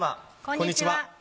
こんにちは。